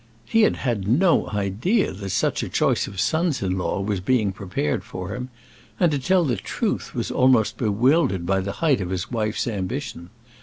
He had had no idea that such a choice of sons in law was being prepared for him; and, to tell the truth, was almost bewildered by the height of his wife's ambition.